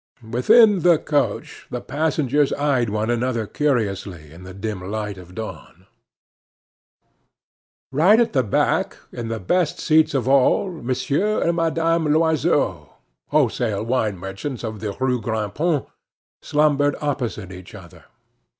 Within the coach the passengers eyed one another curiously in the dim light of dawn. Right at the back, in the best seats of all, Monsieur and Madame Loiseau, wholesale wine merchants of the Rue Grand Pont, slumbered opposite each other.